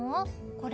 これ。